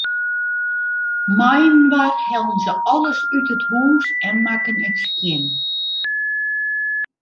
Mei-inoar hellen se alles út it hûs en makken it skjin.